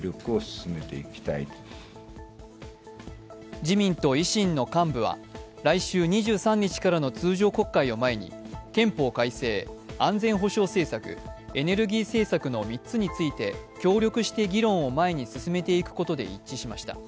自民と維新の幹部は来週、２３日からの通常国会を前に憲法改正、安全保障政策、エネルギー政策の３つについて協力して議論を前に進めていくことで一致しました。